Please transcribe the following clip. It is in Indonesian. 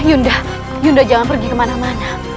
yunda yunda jangan pergi kemana mana